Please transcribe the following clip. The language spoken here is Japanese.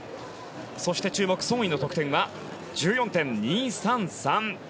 そして注目、ソン・イの得点は１４．２３３。